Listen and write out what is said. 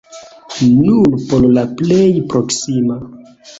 Nur por la plej proksima!